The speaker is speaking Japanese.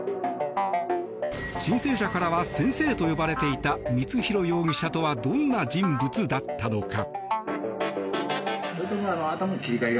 申請者からは先生と呼ばれていた光弘容疑者とはどんな人物だったのか。